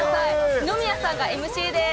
二宮さんがＭＣです。